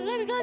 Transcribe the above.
maya gak kuat